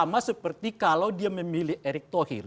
berarti kalau dia memilih erick thohir